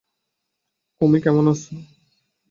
কুমি কেমন আছে?